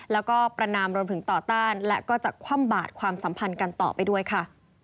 แล้วก็ประนามรวมถึงต่อต้านและก็จะคว่ำบาดความสัมพันธ์กันต่อไปด้วยค่ะ